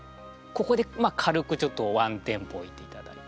ここで軽くちょっとワンテンポ置いていただいて。